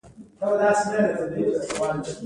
ایا مصنوعي ځیرکتیا د ټولنیز نظم طبیعي بڼه نه بدلوي؟